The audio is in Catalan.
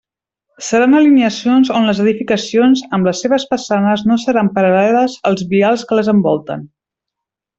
Seran alineacions on les edificacions, amb les seves façanes no seran paral·leles als vials que les envolten.